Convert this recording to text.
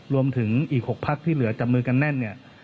รวมถึงอีก๖พักที่เหลือจับมือกันแน่นเนี่ย